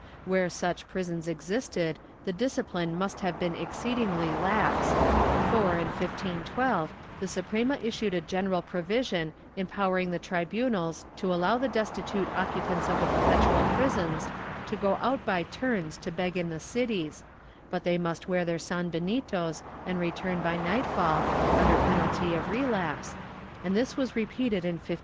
Where such prisons existed the discipline must have been exceedingly lax for, in 1512, the Suprema issued a general provision empowering the tribunals to allow the destitute occupants of the perpetual prisons to go out by turns to beg in the cities, but they must wear their sanbenitos and return by nightfall, under penalty of relapse, and this was repeated in 1513.